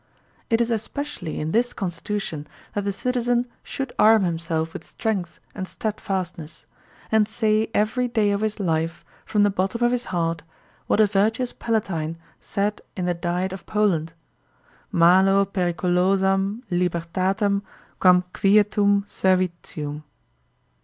It is esx)ecially in this constitution that the citizen should arm himself with strength and stead fastness, and say every day of his life from the bottom of his heart what a virtuous Palatine said in the Diet of Poland: Malo periculosam libertatem quant quietum serv itium.